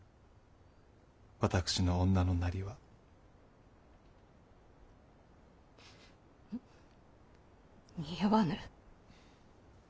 私の女のなりは。に似合わぬ。